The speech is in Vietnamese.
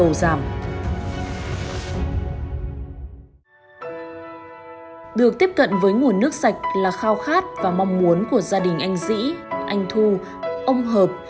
ông hợp và các gia đình khác được tiếp cận với nguồn nước sạch là khao khát và mong muốn của gia đình anh dĩ anh thu ông hợp